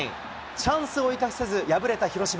チャンスを生かせず敗れた広島。